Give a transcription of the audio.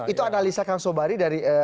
itu analisa kang sobari dari